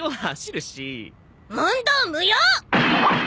問答無用！